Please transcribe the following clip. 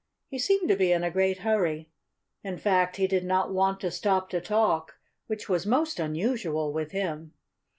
He seemed to be in a great hurry. In fact, he did not want to stop to talk which was most unusual with him.